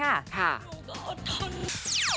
หนูก็อดทน